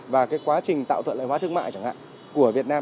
và cái quá trình tạo thuận lợi hóa thương mại chẳng hạn của việt nam